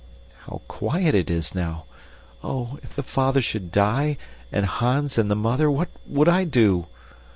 How quiet it is now! Oh, if the father should die, and Hans, and the mother, what WOULD I do?